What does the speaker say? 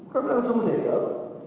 kami langsung seger